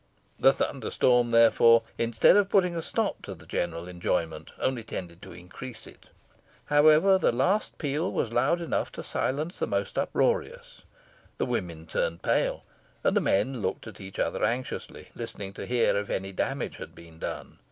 The thunder storm, therefore, instead of putting a stop to the general enjoyment, only tended to increase it. However the last peal was loud enough to silence the most uproarious. The women turned pale, and the men looked at each other anxiously, listening to hear if any damage had been done.